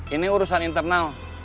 ini urusan internal